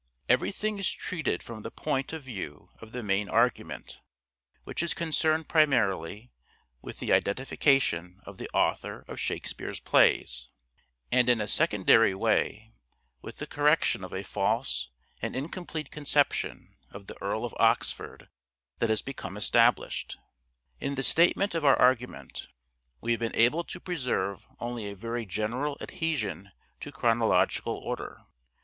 Everything is treated from the point of view of the main argument, which is concerned primarily with the identification of the author of Shakespeare's plays and in a secondary way with the correction of a false and incomplete conception of the Earl of Oxford that has become established. In the statement of our argument we have been able to preserve only a very general adhesion to chronological order.